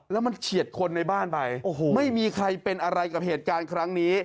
แล้วมันเฉียดคนในบ้านไปโอ้โหไม่มีใครเป็นอะไรกับเหตุการณ์ครั้งนี้